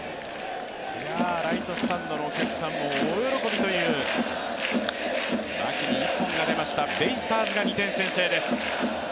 ライトスタンドのお客さんも大喜びという、牧に１本が出ましたベイスターズが２点先制です。